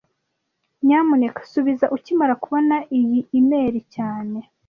Nyamuneka subiza ukimara kubona iyi imeri cyane